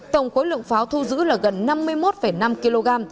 tổng khối lượng pháo thu giữ là gần năm mươi một năm kg